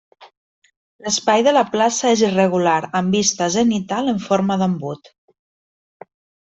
L'espai de la plaça és irregular amb vista zenital en forma d'embut.